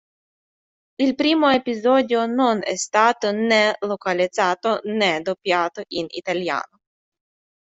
Il primo episodio non è stato né localizzato né doppiato in italiano.